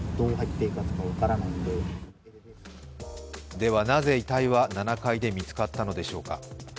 ではなぜ遺体は７階で見つかったのでしょうか。